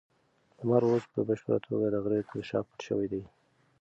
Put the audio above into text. لمر اوس په بشپړه توګه د غره تر شا پټ شوی دی.